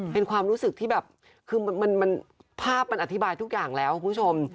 เป็นความรู้สึกที่แบบคือภาพมันอธิบายทุกอย่างแล้วคุณผู้ชม